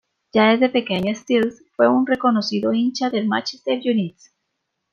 Ya desde pequeño Stiles fue un reconocido hincha del Manchester United.